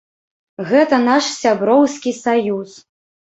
Гэта наш сяброўскі саюз.